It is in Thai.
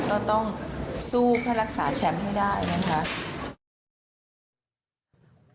ก็ต้องสู้เพื่อรักษาแชมป์ให้ได้นะคะ